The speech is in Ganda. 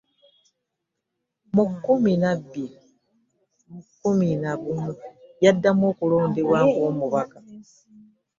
Mu nkumi bbiri mu kkumi na gumu, yaddamu okulondebwa ng'omubaka